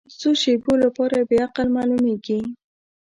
د څو شیبو لپاره بې عقل معلومېږي.